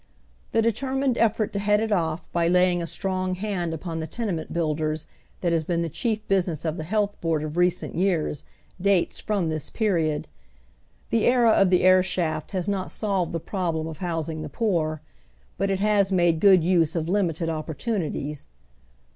The determined effort to head it off by laying a strong hand upon the tenement builders that has been the ciiief business of the Health Board of recent years, dates from this period. The era of the air shaft has not solved the problem of housing the poor, but it has made good use of limited opportunities.